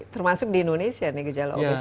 termasuk di indonesia gejala obesitas